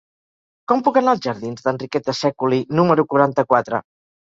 Com puc anar als jardins d'Enriqueta Sèculi número quaranta-quatre?